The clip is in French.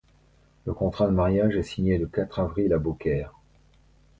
Le contrat de mariage est signé le avril à Beaucaire.